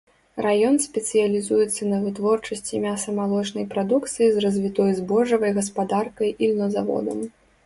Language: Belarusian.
Раён спецыялізуецца на вытворчасці мяса-малочнай прадукцыі з развітой збожжавай гаспадаркай і льнаводствам.